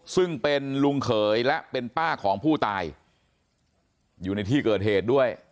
ซึ่งเป็นลุงเขยและเป็นป้าของผู้ตายอยู่ในที่เกิดเหตุด้วย